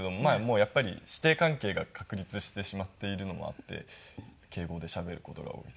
やっぱり師弟関係が確立してしまっているのもあって敬語でしゃべる事が多いですね。